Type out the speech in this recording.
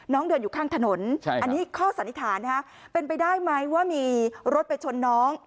น้องเดินอยู่ข้างถนนอันนี้ข้อสันนิษฐานนะฮะเป็นไปได้ไหมว่ามีรถไปชนน้อง